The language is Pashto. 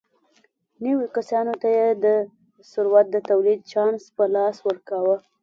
نویو کسانو ته یې د ثروت د تولید چانس په لاس ورکاوه.